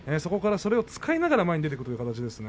それを使いながら前に出ていく形ですね